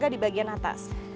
dan juga di bagian atas